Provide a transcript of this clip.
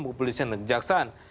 kepolisian dan kenjaksaan